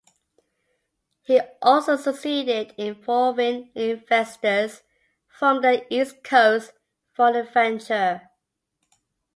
He also succeeded in involving investors from the East Coast for the venture.